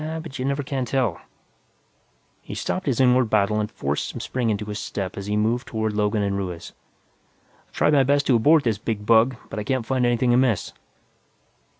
Yeah, but you never can tell_ He stopped his inward battle and forced some spring into his step as he moved toward Logan and Ruiz. "I've tried my best to abort this big bug, but I can't find anything amiss."